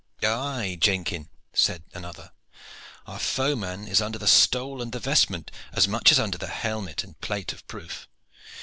"Aye, Jenkin," said another, "our foeman is under the stole and the vestment as much as under the helmet and plate of proof.